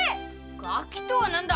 ガキとは何だ